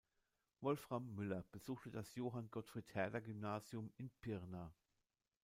Wolfram Müller besuchte das Johann-Gottfried-Herder-Gymnasium in Pirna.